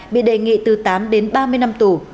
bị đề nghị từ tám đến ba mươi năm tù